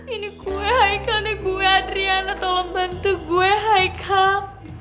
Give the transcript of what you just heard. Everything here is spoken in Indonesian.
ini gue hai kal nih gue adriana tolong bantu gue hai kal